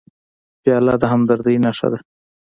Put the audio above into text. پیاله د همدردۍ نښه ده.